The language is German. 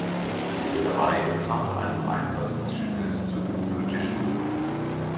Die Reederei plante einen Einsatz des Schiffes zur Insel Jejudo.